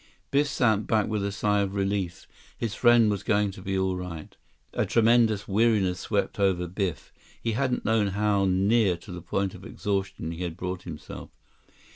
Biff sank back with a sigh of relief. His friend was going to be all right. A tremendous weariness swept over Biff. He hadn't known how near to the point of exhaustion he had brought himself.